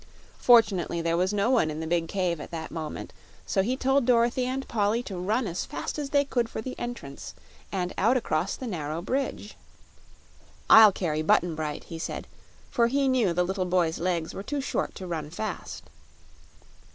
Fortunately, there was no one in the big cave at that moment, so he told Dorothy and Polly to run as fast as they could for the entrance, and out across the narrow bridge. "I'll carry Button Bright," he said, for he knew the little boy's legs were too short to run fast.